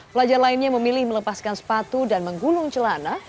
pelajar lainnya memilih melepaskan sepatu dan menggulung celana